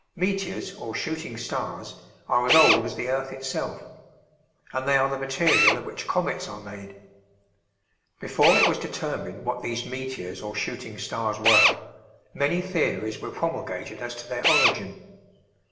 Meteors or shooting stars are as old as the earth itself, and they are the material of which comets are made. Before it was determined what these meteors or shooting stars were, many theories were promulgated as to their origin.